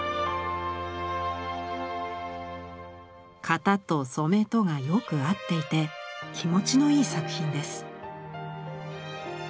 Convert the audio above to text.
「型と染とがよく合っていて気持ちのいゝ作品です」。